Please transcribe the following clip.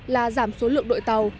là giảm số lượng đội tàu